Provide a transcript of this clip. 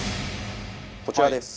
こちらです。